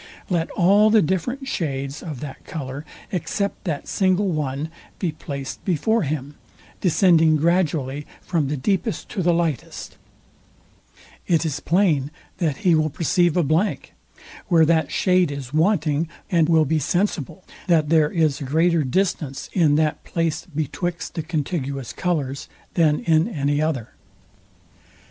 Let all the different shades of that colour, except that single one, be placed before him, descending gradually from the deepest to the lightest; it is plain, that he will perceive a blank, where that shade is wanting, said will be sensible, that there is a greater distance in that place betwixt the contiguous colours, than in any other.